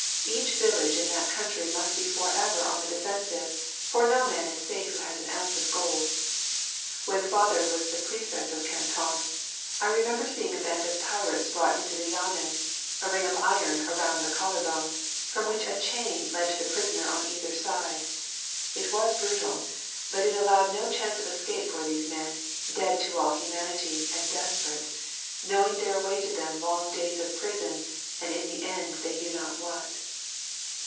Each village in that country must be forever on the defensive, for no man is safe who has an ounce of gold. When father was the prefect of Canton, I remember seeing a band of pirates brought into the Yamen, a ring of iron around the collarbone, from which a chain led to the prisoner on either side. It was brutal, but it allowed no chance of escape for these men, dead to all humanity, and desperate, knowing there awaited them long days of prison, and in the end they knew not what.